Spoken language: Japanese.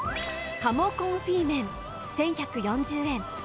鴨コンフィ麺１１４０円。